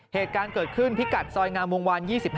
เหตุการณ์เกิดขึ้นพิกัดซอยงามวงวาน๒๕